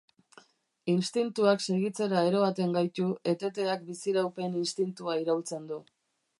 Instintuak segitzera eroaten gaitu, eteteak biziraupen instintua iraultzen du.